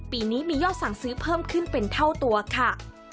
ปีนี้มียอดสั่งซื้อเพิ่มขึ้นเป็นเท่าตัวค่ะ